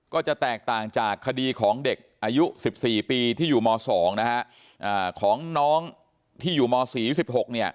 ก็จะแตกต่างจากคดีของเด็กอายุ๑๔ปีที่อยู่ม๒นะครับ